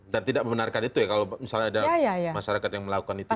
dan tidak membenarkan itu ya kalau misalnya ada masyarakat yang melakukan itu juga ya